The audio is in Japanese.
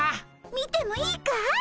見てもいいかい？